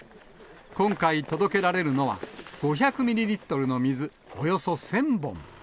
今回、届けられるのは、５００ミリリットルの水、およそ１０００本。